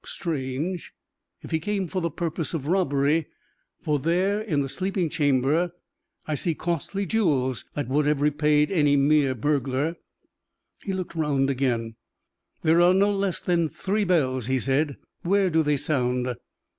Strange if he came for the purpose of robbery; for there, in the sleeping chamber, I see costly jewels that would have repaid any mere burglar." He looked around again. "There are no less than three bells," he said. "Where do they sound?"